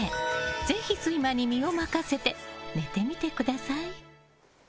ぜひ睡魔に身を任せて寝てみてください。